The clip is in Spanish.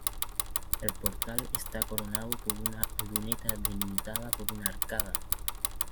El portal está coronado por una luneta delimitada por una arcada.